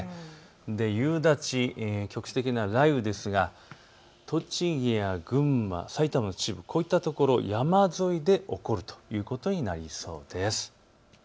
夕立、局地的な雷雨ですが栃木や群馬、埼玉の一部こういったところ、山沿いで起こるということになりそうです。